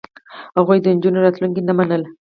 هغوی د نجونو راتلونکې نه منله.